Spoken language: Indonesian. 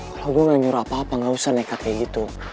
kalau gue gak nyuruh apa apa gak usah nekat kayak gitu